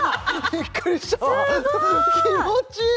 びっくりした気持ちいい！